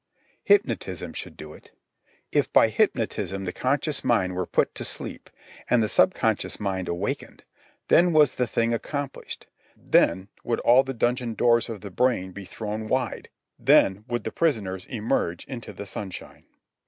Hypnotism should do it. If by hypnotism the conscious mind were put to sleep, and the subconscious mind awakened, then was the thing accomplished, then would all the dungeon doors of the brain be thrown wide, then would the prisoners emerge into the sunshine.